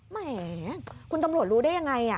แหมคุณตำรวจรู้ได้ยังไง